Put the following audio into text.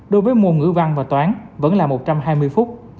đối với môn ngữ văn và toán vẫn là một trăm hai mươi phút